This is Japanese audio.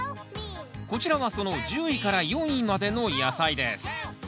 こちらはその１０位から４位までの野菜です。